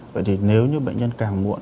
vậy thì nếu như bệnh nhân càng muộn